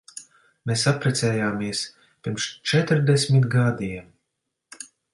Mēs apprecējāmies pirms četrdesmit gadiem.